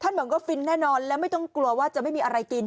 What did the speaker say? ท่านบอกว่าก็ฟินแน่นอนและไม่ต้องกลัวว่าจะไม่เรียกอะไริ้น